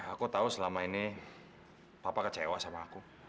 aku tahu selama ini papa kecewa sama aku